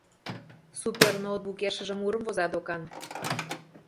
Суперноутбукешыже мурым воза докан.